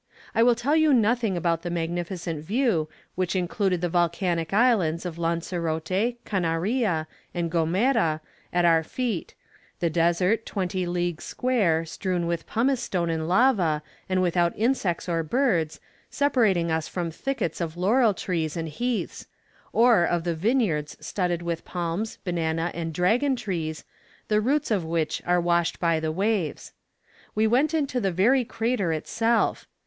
I will tell you nothing about the magnificent view, which included the volcanic islands of Lancerote, Canaria, and Gomera, at our feet; the desert, twenty leagues square, strewn with pumice stone and lava, and without insects or birds, separating us from thickets of laurel trees and heaths; or of the vineyards studded with palms, banana, and dragon trees, the roots of which are washed by the waves. We went into the very crater itself.